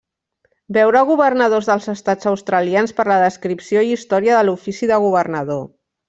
Veure Governadors dels Estats Australians per la descripció i història de l'ofici de Governador.